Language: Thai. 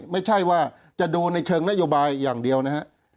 ไม่ใช่ว่าจะดูในเชิงนโยบายอย่างเดียวนะครับ